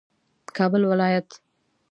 کابل ولایت